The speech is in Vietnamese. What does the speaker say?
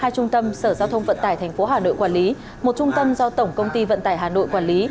hai trung tâm sở giao thông vận tải tp hà nội quản lý một trung tâm do tổng công ty vận tải hà nội quản lý